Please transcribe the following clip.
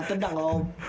padahal kena ngom